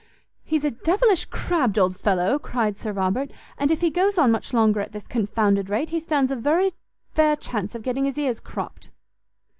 "He's a devilish crabbed old fellow," cried Sir Robert, "and if he goes on much longer at this confounded rate, he stands a very fair chance of getting his ears cropped."